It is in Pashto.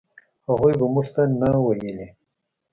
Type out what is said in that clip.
هغوی به موږ ته نه ویلې.